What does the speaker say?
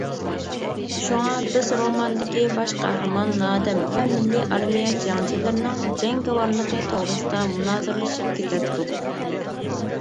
شۇڭا بىز روماندىكى باش قەھرىمان نادەم ۋە مىللىي ئارمىيە جەڭچىلىرىنىڭ جەڭگىۋارلىقى توغرىسىدا مۇنازىرىلىشىپ كېتەتتۇق.